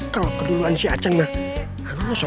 kalo kedulan si acen gerne